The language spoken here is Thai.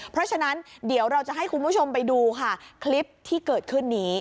เพราะฉะนั้นเดี๋ยวเราจะให้คุณผู้ชมไปดูค่ะคลิปที่เกิดขึ้นนี้